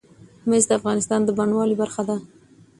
مس د افغانستان د بڼوالۍ برخه ده.